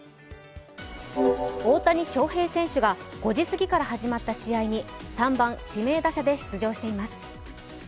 大谷翔平選手が５時過ぎから始まった試合に３番・指名打者で出場しています。